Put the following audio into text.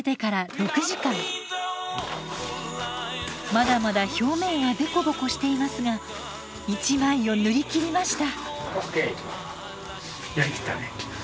まだまだ表面はデコボコしていますが一枚を塗りきりました。